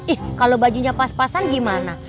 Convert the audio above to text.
ih kalau bajunya pas pasan gimana